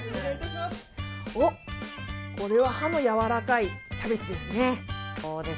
お、これは葉のやわらかいキャベツですね。